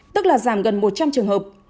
tức là giảm gần một trăm linh trường hợp